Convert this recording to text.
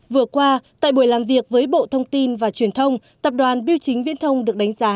vừa qua tại buổi làm việc với bộ thông tin và truyền thông tập đoàn biêu chính viễn thông được đánh giá